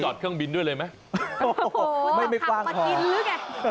ที่จอดเครื่องบินด้วยเลยไหมโอ้โหไม่ไม่กว้างห่อมากินหรือไงอ้าว